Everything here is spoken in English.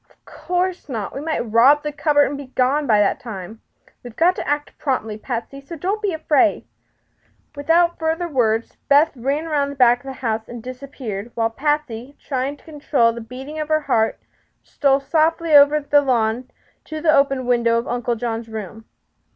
"Of course not. West might rob the cupboard and be gone by that time. We've got to act promptly, Patsy; so don't be afraid." Without further words Beth ran around the back of the house and disappeared, while Patsy, trying to control the beating of her heart, stole softly over the lawn to the open window of Uncle John's room.